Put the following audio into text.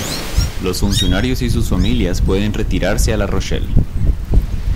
Los funcionarios y sus familias pueden retirarse a La Rochelle.